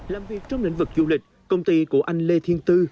làm việc trong lĩnh vực du lịch công ty của anh lê thiên tư